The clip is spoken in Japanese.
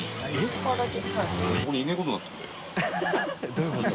どういうこと？